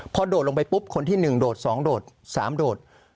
พอโดดลงไปปุ๊บคนที่หนึ่งโดดสองโดดสามโดด